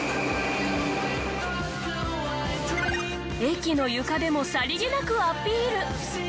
駅の床でもさりげなくアピール。